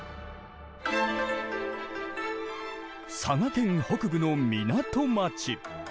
佐賀県北部の港町。